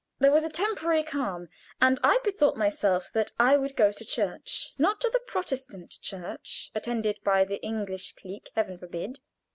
There was a temporary calm, and I bethought myself that I would go to church not to the Protestant church attended by the English clique heaven forbid!